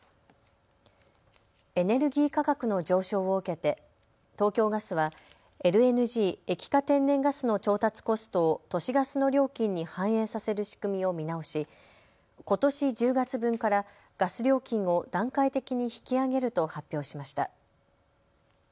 エネルギー価格の上昇を受けて東京ガスはＬＮＧ・液化天然ガスの調達コストを都市ガスの料金に反映させる仕組みを見直し１０月分からガス料金を段階的に引き上げると発表しました。